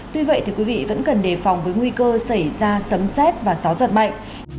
tuy vậy quý vị vẫn cần đề phòng với nguy cơ xảy ra sấm xét và gió giật mạnh